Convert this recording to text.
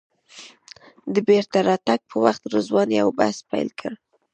د بېرته راتګ په وخت رضوان یو بحث پیل کړ.